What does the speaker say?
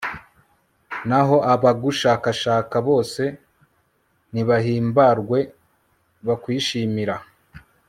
naho abagushakashaka bose nibahimbarwe bakwishimira